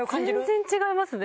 全然違いますね